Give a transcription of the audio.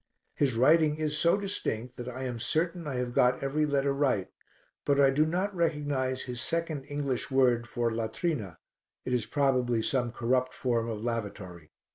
His writing is so distinct that I am certain I have got every letter right, but I do not recognize his second English word for latrina, it is probably some corrupt form of lavatory.